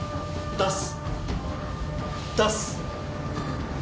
出す。